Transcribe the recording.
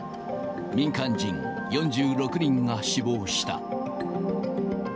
民間人４６人が死亡した。